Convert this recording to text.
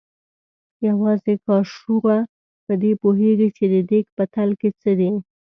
یوازې کاچوغه په دې پوهېږي چې د دیګ په تل کې څه دي.